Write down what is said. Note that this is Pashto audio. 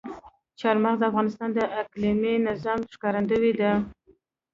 چار مغز د افغانستان د اقلیمي نظام ښکارندوی ده.